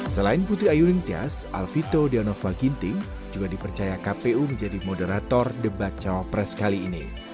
selain putri ayu nintias alvito deonova ginting juga dipercaya kpu menjadi moderator debat calon pres kali ini